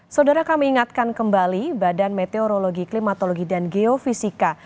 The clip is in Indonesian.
saudara kami ingatkan kembali badan meteorologi klimatologi dan geofisika